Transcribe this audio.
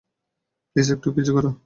Please কিছু একটা করো!